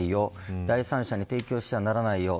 第三者に提供してはならないよ。